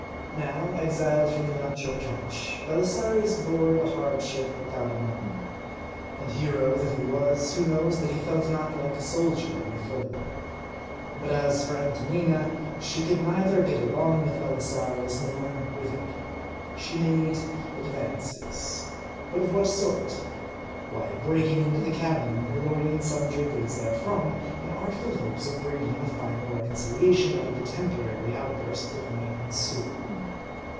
Now, exiled from the nuptial couch, Belisarius bore the hardship without a murmur. And hero that he was, who knows that he felt not like a soldier on a furlough ? But as for Antonina, she could neither get along with Belisarius, nor without him. She made advances. But of what sort ? "Why, breaking into the cabin and purloining sundry goods therefrom ; in artful hopes of breeding a final reconciliation out of the temporary outburst that might ensue.